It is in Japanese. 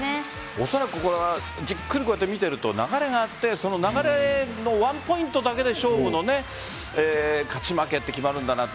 おそらくじっくり見ていると流れがあって流れのワンポイントだけで勝負の勝ち負けは決まるんだなと。